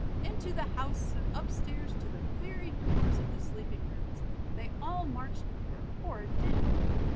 Into the house, and up stairs to the very doors of the sleeping rooms, they all marched with their horrid din.